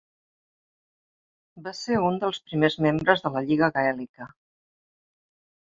Va ser un dels primers membres de la Lliga Gaèlica.